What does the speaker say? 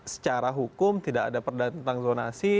secara hukum tidak ada perdagangan zonasi